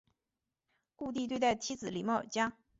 顾悌对待妻子礼貌有则。